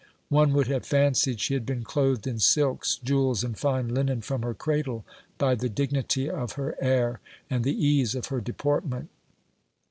One would have fancied she had been clothed in silks, jewels, and fine linen from her cradle, by the dig nity of her air and the ease of her deportment.